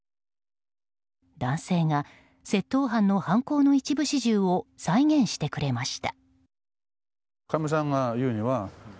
男性が窃盗犯の犯行の一部始終を再現してくれました。